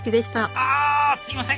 あぁすみません！